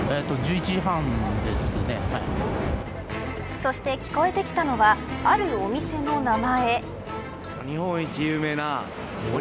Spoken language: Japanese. そして、聞こえてきたのはあるお店の名前。